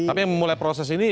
tapi yang memulai proses ini